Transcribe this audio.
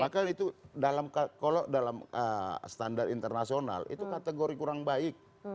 maka itu kalau dalam standar internasional itu kategori kurang baik